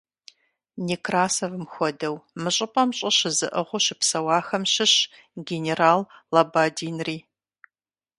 Некрасовым хуэдэу мы щӀыпӀэм щӀы щызыӀыгъыу щыпсэуахэм щыщщ генерал Лабадинри.